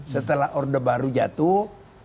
setelah orde baru jatuh